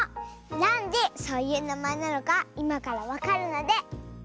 なんでそういうなまえなのかいまからわかるのでおたのしみに！